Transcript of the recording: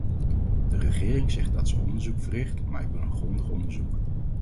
De regering zegt dat ze onderzoek verricht, maar ik wil een grondig onderzoek.